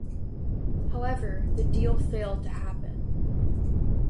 However, the deal failed to happen.